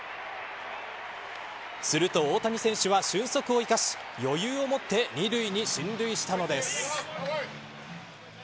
すると大谷選手は俊足を生かし余裕を持って２塁に進塁したのです。